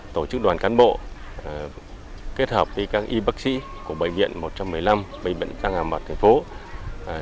tổ chức đoàn cán bộ kết hợp với các y bác sĩ của bệnh viện một trăm một mươi năm bệnh viện tăng hà mật tp hcm